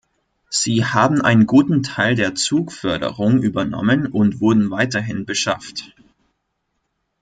Sie haben einen guten Teil der Zugförderung übernommen und wurden weiterhin beschafft.